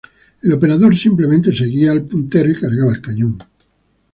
El operador simplemente seguía el puntero y cargaba el cañón.